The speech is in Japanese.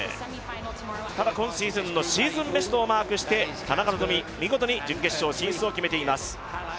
ただ、今シーズンのシーズンベストをマークして、田中希実、見事に準決勝進出を決めています。